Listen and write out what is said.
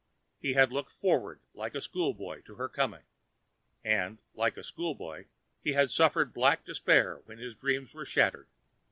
He had looked forward like a schoolboy to her coming. And, like a schoolboy, he had suffered black despair when his dreams were shattered.